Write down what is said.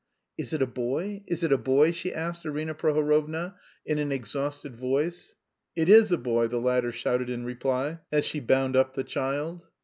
"Is it a boy? Is it a boy?" she asked Arina Prohorovna in an exhausted voice. "It is a boy," the latter shouted in reply, as she bound up the child.